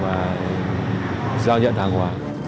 và tiêu thụ